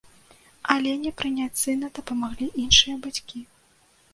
Алене прыняць сына дапамаглі іншыя бацькі.